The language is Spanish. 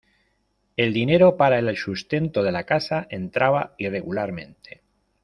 El dinero para el sustento de la casa entraba irregularmente.